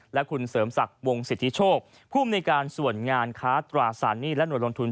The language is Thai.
และคุณเสริมศักดิ์วงสิทธิโชคภูมิในการส่วนงานค้าตราสารหนี้และหน่วยลงทุน